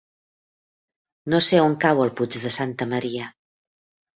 No sé on cau el Puig de Santa Maria.